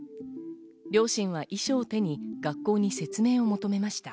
両親は遺書を手に学校に説明を求めました。